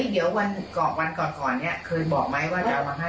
เฮ้ยเดี๋ยววันเกาะวันเกาะก่อนเนี้ยเคยบอกไหมว่าจะเอามาให้